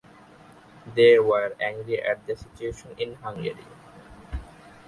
They were angry at the situation in Hungary.